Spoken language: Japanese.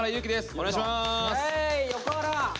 お願いします。